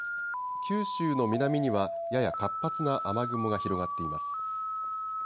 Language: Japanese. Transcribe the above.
九州の南には、やや活発な雨雲が広がっています。